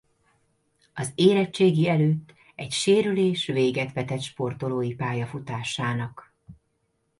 Az érettségi előtt egy sérülés véget vetett sportolói pályafutásának.